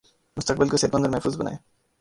مستقبل کو صحت مند اور محفوظ بنائیں